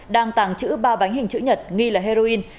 đang tàng trữ ba bánh hình chữ nhật nghi là heroin